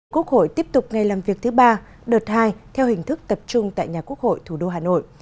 quốc hội tiếp tục ngày làm việc thứ ba đợt hai theo hình thức tập trung tại nhà quốc hội thủ đô hà nội